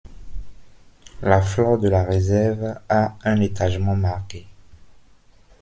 La flore de la réserve a un étagement marqué.